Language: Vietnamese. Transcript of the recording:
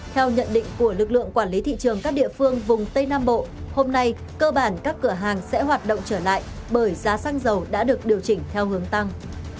theo nhận định của lực lượng quản lý thị trường các địa phương vùng tây nam bộ hôm nay cơ bản các cửa hàng sẽ hoạt động trở lại bởi giá xăng dầu đã được điều chỉnh theo hướng tăng